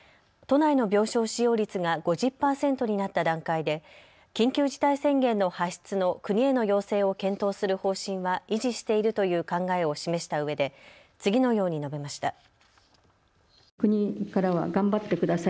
都内の病床使用率が５０％になった段階で緊急事態宣言の発出の国への要請を検討する方針は維持しているという考えを示したうえで次のように述べました。